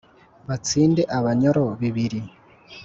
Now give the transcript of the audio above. ba ntsinze-abanyoro bibiri